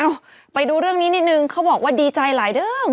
ไปดูเรื่องนี้นิดนึงเขาบอกว่าดีใจหลายเรื่อง